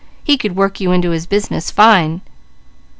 He could work you into his business fine."